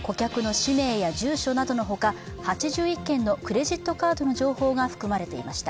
顧客の氏名や住所などのほかの８１件のクレジットカード情報が含まれています。